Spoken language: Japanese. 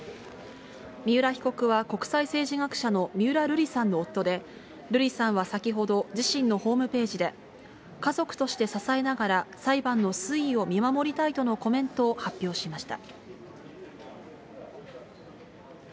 三浦被告は国際政治学者の三浦瑠麗さんの夫で、璃麗さんは先ほど自身のホームページで、家族として支えながら、裁判の推移を見守りたいとのコメントを発表しました。